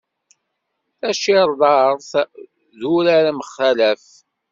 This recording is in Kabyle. Tacirḍart d urar amxalef.